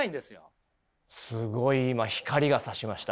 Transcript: すごい今光がさしました。